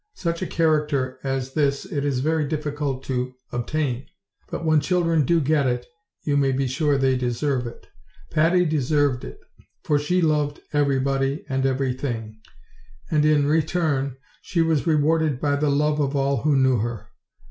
Such a character as this it is very difficult to obtain; but when children do get it you may be sure they deserve it. Patty deserved it, for she loved everybody and everything; and in re turn she was rewarded by the love of all who knew her.